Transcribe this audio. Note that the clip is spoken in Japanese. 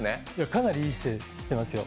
かなりいい姿勢してますよ。